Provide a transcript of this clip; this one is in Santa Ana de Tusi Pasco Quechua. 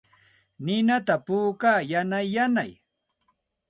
Ninata puukaa yanay yanay.